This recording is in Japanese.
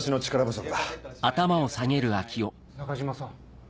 中嶋さん